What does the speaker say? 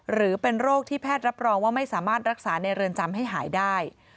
หรือเป็นโรคที่แพทย์รับรองว่าไม่สามารถรักษาในเรือนจำให้หายได้